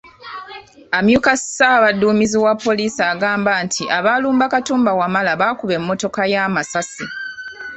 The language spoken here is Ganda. Amyuka ssaabadumizi wa poliisi agamba nti abaalumba Katumba Wamala baakuba emmotoka ye amasasi.